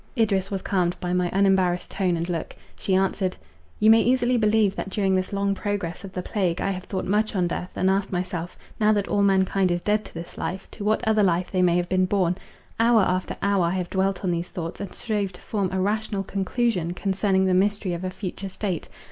Idris was calmed by my unembarrassed tone and look; she answered:—"You may easily believe that during this long progress of the plague, I have thought much on death, and asked myself, now that all mankind is dead to this life, to what other life they may have been borne. Hour after hour, I have dwelt on these thoughts, and strove to form a rational conclusion concerning the mystery of a future state.